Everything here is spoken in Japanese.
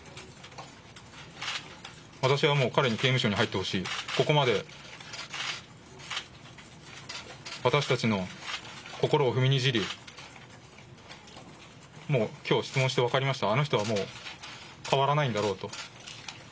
私はもう彼に刑務所に入ってほしい、ここまで私たちの心を踏みにじり、もうきょうは質問して分かりました、あの人はもう、変わらないんだろうと。